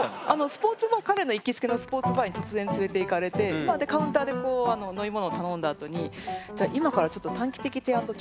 スポーツバー彼の行きつけのスポーツバーに突然連れていかれてカウンターで飲み物を頼んだあとにじゃあ今からちょっとって言われて。